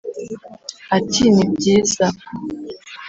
Ati “Ni byiza